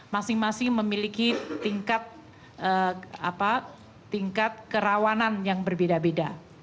masing masing memiliki tingkat kerawanan yang berbeda beda